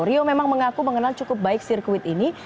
rio memang mengaku mengenal cukup baik sirkuit ini